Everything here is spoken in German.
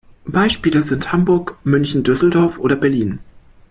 Beispiele sind Hamburg, München, Düsseldorf oder Berlin.